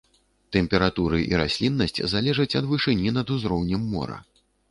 Тэмпературы і расліннасць залежаць ад вышыні над узроўнем мора.